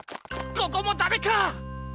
ここもダメか！